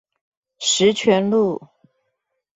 十全路